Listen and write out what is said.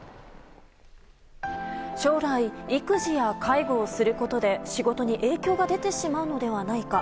将来、育児や介護をすることで仕事に影響が出てしまうのではないか。